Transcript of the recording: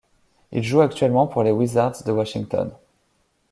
Il joue actuellement pour les Wizards de Washington.